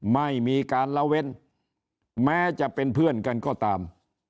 ไม่มีการละเว้นแม้จะเป็นเพื่อนกันก็ตาม